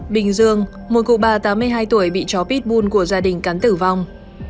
bình dương một cụ bà tám mươi hai tuổi bị chó pitbull của gia đình cắn tử vong